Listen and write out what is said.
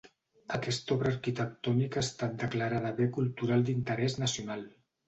Aquesta obra arquitectònica ha estat declarada Bé Cultural d'Interès Nacional.